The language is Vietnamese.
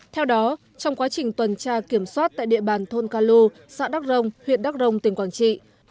theo đó trong quá trình tuần tra kiểm soát tại địa bàn thôn ca lu xã đắc rông huyện đắc rồng tỉnh quảng trị